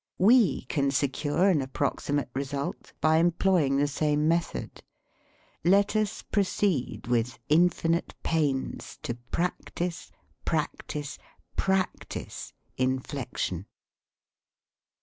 We can secure an approximate result by employing the same method. Let us proceed with "infinite pains" to practise, practise, practise in flection.